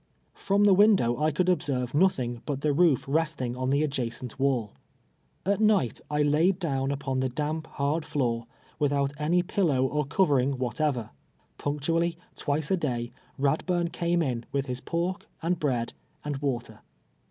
From the window I could observe iiothing but the roof resting on the adjacent wall. At night I laid down upon the damp, hard ilooi*, without any pillow or covering whatever. Punctually, twice a day, Eadburn came in, with his pork, and bread, and water.